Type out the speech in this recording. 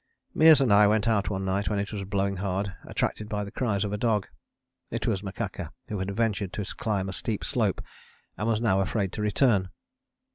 Meares and I went out one night when it was blowing hard, attracted by the cries of a dog. It was Makaka who had ventured to climb a steep slope and was now afraid to return.